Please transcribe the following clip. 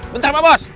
bentar pak bos